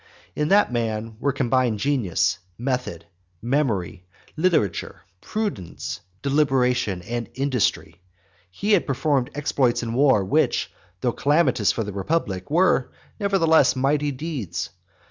In that man were combined genius, method, memory, literature, prudence, deliberation, and industry. He had performed exploits in war which, though calamitous for the republic, were nevertheless mighty deeds.